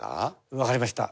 わかりました。